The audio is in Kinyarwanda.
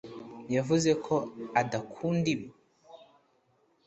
Yavuze ko adakunda ibi